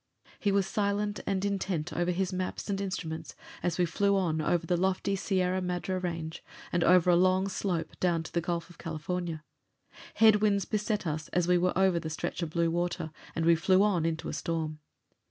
He was silent and intent over his maps and instruments as we flew on over the lofty Sierra Madre Range, and over a long slope down to the Gulf of California. Head winds beset us as we were over the stretch of blue water, and we flew on into a storm.